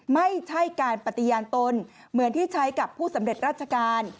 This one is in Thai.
ไม่ใช่การปฏิญาณตนเหมือนที่ใช้กับผู้สำเร็จราชการ